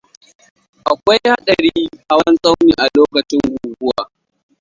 Akwai hadarin hawan tsauni a lokacin guguwa.